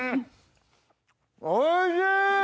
おいしい！